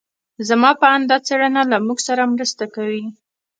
زما په اند دا څېړنه له موږ سره مرسته کوي.